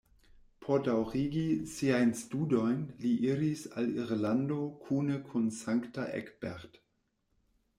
Por daŭrigi siajn studojn, li iris al Irlando kune kun Sankta Egbert.